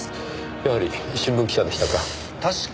やはり新聞記者でしたか。